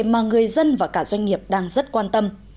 mà người dân và cả doanh nghiệp đang rất quan tâm